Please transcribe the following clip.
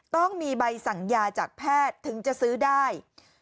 ต้องมีใบสั่งยาจากแพทย์ถึงจะซื้อได้